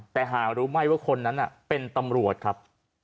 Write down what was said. แต่หารู้ไหมว่าคนนั้นเป็นตำรวจครับ